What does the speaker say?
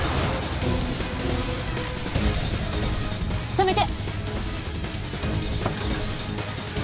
止めて！